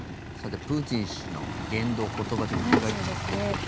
プーチン氏の言動、言葉を振り返ってみましょうか。